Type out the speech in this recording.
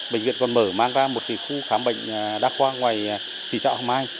bệnh viện còn mở mang ra một khu khám bệnh đa khoa ngoài thị trạng hồng mai